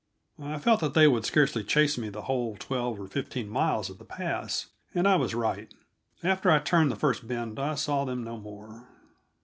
"] I felt that they would scarcely chase me the whole twelve or fifteen miles of the pass, and I was right; after I turned the first bend I saw them no more.